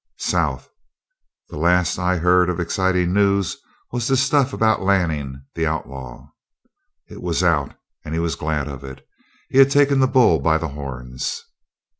"South. The last I heard of excitin' news was this stuff about Lanning, the outlaw." It was out, and he was glad of it. He had taken the bull by the horns.